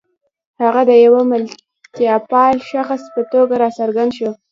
هغه د یوه ملتپال شخص په توګه را څرګند شو.